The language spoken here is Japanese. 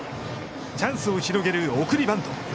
チャンスを広げる送りバント。